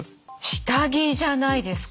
下着じゃないですか？